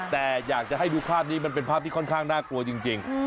แต่อยากจะให้ดูภาพนี้มันเป็นภาพที่ค่อนข้างน่ากลัวจริง